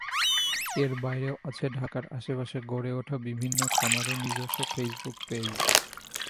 এর বাইরেও আছে ঢাকার আশপাশে গড়ে ওঠা বিভিন্ন খামারের নিজস্ব ফেসবুক পেজ।